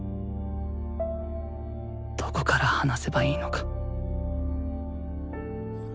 どこから話せばいいのか。